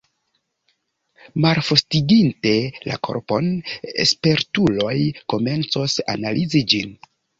Malfrostiginte la korpon, spertuloj komencos analizi ĝin.